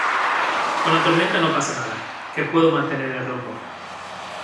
con la tormenta no pasa nada, que puedo mantener el rumbo.